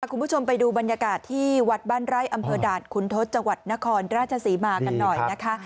คุณผู้ชมไปดูบรรยากาศที่วัดบ้านไร่อำเภอด่านขุนทศจังหวัดนครราชศรีมากันหน่อยนะคะ